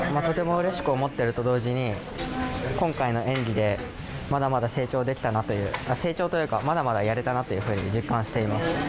とてもうれしく思っていると同時に今回の演技でまだまだ成長できたなというかまだまだやれたなって実感しています。